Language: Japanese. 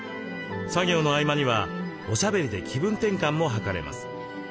作業の合間にはおしゃべりで気分転換もはかれます。